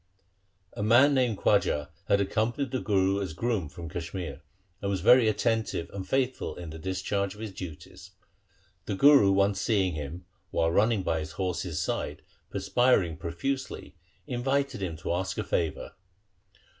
A man called Khwaja had accompanied the Guru as groom from Kashmir, and was very attentive and faithful in the discharge of his duties. The Guru once seeing him, while running by his horse's side, perspiring profusely, invited him to ask a favour.